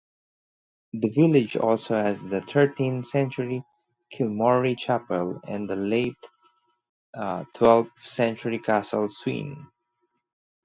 The village also has the thirteenth-century Kilmory Chapel and the late twelfth-century Castle Sween.